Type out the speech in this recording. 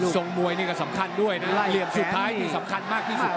ทรงมวยนี่ก็สำคัญด้วยรีบสุดท้ายกี้สำคัญมากที่สุด